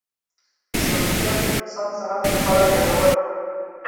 سبزیجات د انسان صحت لپاره ګټور دي.